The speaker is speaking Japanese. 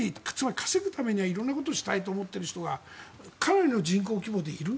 稼ぐためには色々なことをしたいと思っている人がかなりの人口規模でいる。